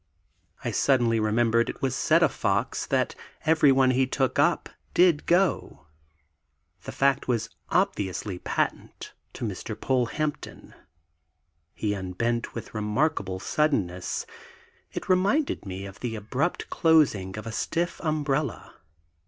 I suddenly remembered it was said of Fox that everyone he took up did "go." The fact was obviously patent to Mr. Polehampton. He unbent with remarkable suddenness; it reminded me of the abrupt closing of a stiff umbrella.